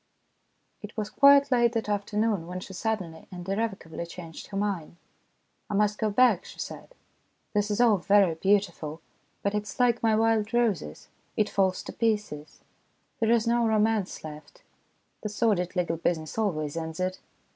It was quite late that afternoon when she suddenly and irrevocably changed her mind. "I must go back," she said. " This is all very beautiful, but it is like my wild roses it falls to pieces. There is no romance left. The sordid legal TOO SOON AND TOO LATE 193 business always ends it.